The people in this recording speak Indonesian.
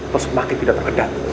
maksud makin tidak terkadang